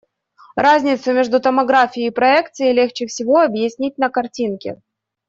Разницу между томографией и проекцией легче всего объяснить на картинке.